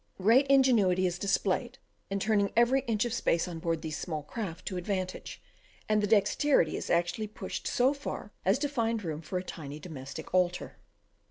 Great ingenuity is displayed in turning every inch of space on board these small craft to advantage, and the dexterity is actually pushed so far as to find room for a tiny domestic altar.